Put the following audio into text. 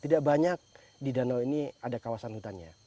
tidak banyak di danau ini ada kawasan hutannya